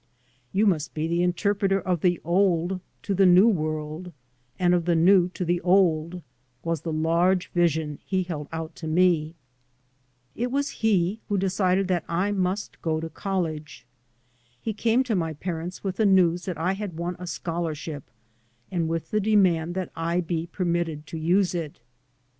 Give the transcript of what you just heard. '* You must be the interpreter of the old to the new world, and of the new to the old," was the large vision he held out to me. It was he who dedded that I must go to D.D.t.zea by Google MY MOTHER AND I college. He came to my parents with the news that I had won a scholarship, and with the demand that I be permitted to use it.